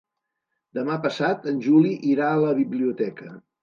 Demà passat en Juli irà a la biblioteca.